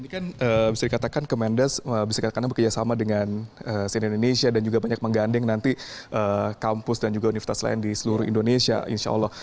ini kan bisa dikatakan kementerian desa bisa dikatakan bekerjasama dengan sini indonesia dan juga banyak mengganding nanti kampus dan juga universitas lain di seluruh indonesia insya allah